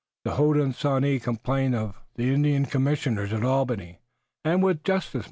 "The Hodenosaunee complain of the Indian commissioners at Albany, and with justice.